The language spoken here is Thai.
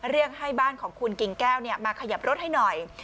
เรียกให้บ้านของคุณกิ่งแก้วมาขยับรถให้หน่อย